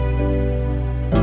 aku mau ke sana